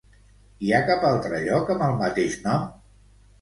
Hi ha cap altre lloc amb el mateix nom?